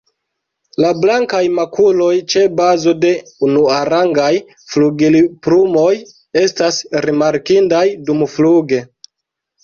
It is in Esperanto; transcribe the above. La blankaj makuloj ĉe bazo de unuarangaj flugilplumoj estas rimarkindaj dumfluge.